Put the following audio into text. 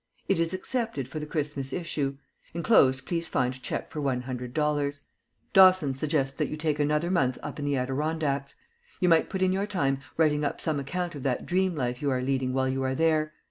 It is accepted for the Christmas issue. Enclosed please find check for one hundred dollars. Dawson suggests that you take another month up in the Adirondacks. You might put in your time writing up some account of that dream life you are leading while you are there.